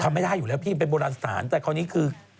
ไม่ได้อยู่แล้วพี่มันเป็นโบราณสถานแต่คราวนี้คือ